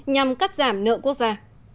nhằm cắt giảm nợ quốc gia